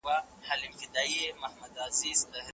څېړونکی باید د خپل استاد درناوی وکړي.